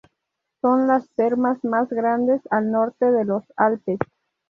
Son las termas más grandes al norte de los Alpes.